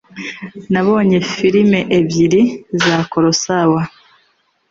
Nabonye firime ebyiri za Kurosawa.